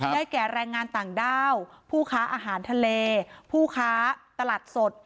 แก่แรงงานต่างด้าวผู้ค้าอาหารทะเลผู้ค้าตลาดสด